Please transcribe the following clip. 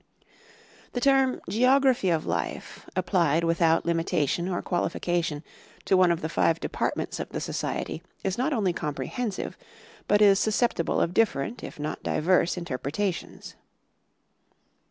The term ' Geography of Life^ applied without limitation or qualification to one of the five departments of the Society is not only comprehensive, but is susceptible of different if not diverse interpretations.